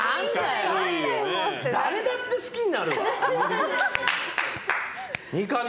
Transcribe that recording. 誰だって好きになるわ！